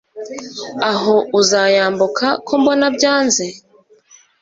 aho uzayambuka kombona byanze?